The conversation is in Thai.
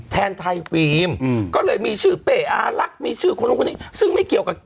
แทนไทยฟิล์มก็เลยมีชื่อเป๊ะอารักมีชื่อคนลงคุณิซึ่งไม่เกี่ยวกับ